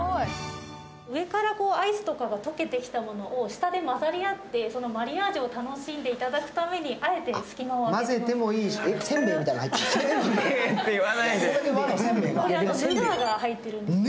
上からアイスとかが溶けてきたものを下で混ざり合って、そのマリアージュを楽しんでいただくためにあえて隙間を空けています。